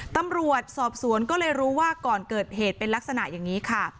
ตำรวจสอบสวนก็เลยรู้ว่าก่อนเกิดเหตุเป็นลักษณะอย่างนี้ค่ะ